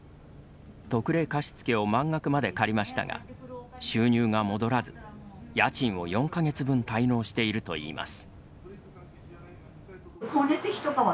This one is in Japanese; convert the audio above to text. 特例貸付を満額まで借りましたが収入が戻らず家賃を４か月分滞納しているといいます。